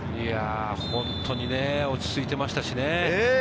本当に落ち着いていましたしね。